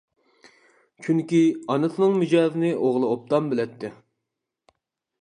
چۈنكى، ئانىسىنىڭ مىجەزىنى ئوغلى ئوبدان بىلەتتى.